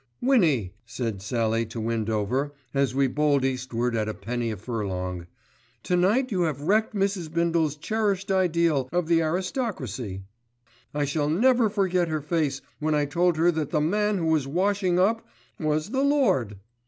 "Winnie," said Sallie to Windover as we bowled eastward at a penny a furlong, "To night you have wrecked Mrs. Bindle's cherished ideal of the aristocracy. I shall never forget her face when I told her that the man who was washing up was the lord!